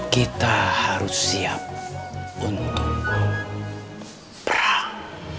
kita harus siap untuk perang